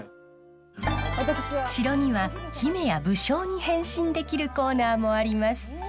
城には姫や武将に変身できるコーナーもあります。